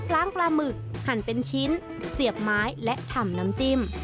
ปลาหมึกหั่นเป็นชิ้นเสียบไม้และทำน้ำจิ้ม